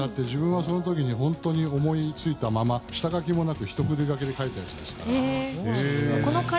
自分はその時に本当に思いついたまま下書きもなくひと筆書きで書いたものですから。